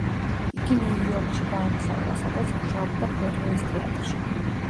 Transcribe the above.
იგი ნიუ-იორკში გაემგზავრა, სადაც მუშაობდა ბროდვეის თეატრში.